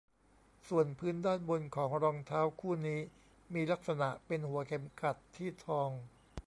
ส่วนพื้นด้านบนของรองเท้าคู่นี้มีลักษณะเป็นหัวเข็มขัดที่ทอง